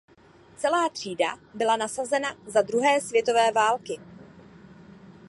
Celá třída byla nasazena za druhé světové války.